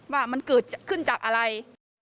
ว่ามันเกิดขึ้นจากอะไร